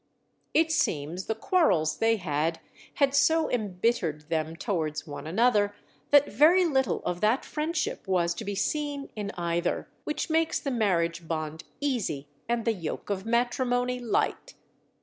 It seems the quarrels they had, had so embittered them towards one another that very little of that friendship was to be seen in either, which makes the marriage bond easy and the yoke of matrimony light.